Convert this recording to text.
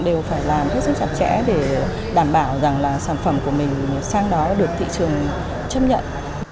đều phải làm hết sức chặt chẽ để đảm bảo rằng là sản phẩm của mình sang đó được thị trường chấp nhận